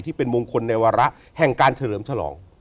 เป็นมงคลในวาระแห่งการเฉลิมฉลอง